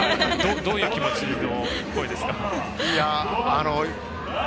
どういう気持ちの声ですか。